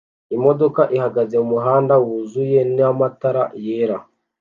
Imodoka ihagaze mumuhanda wuzuyena matara yera